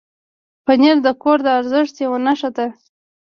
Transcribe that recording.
پنېر د کور د ارزښت یو نښه ده.